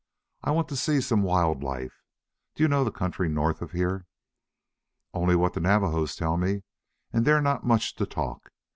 "I want to see some wild life. Do you know the country north of here?" "Only what the Navajos tell me. And they're not much to talk.